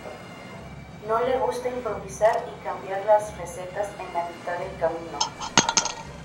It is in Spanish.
No le gusta improvisar y cambiar las recetas en la mitad del camino.